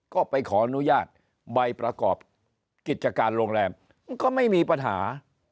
ก็ไปขออนุญาตใบประกอบกิจการโรงแรมก็ไม่มีปัญหา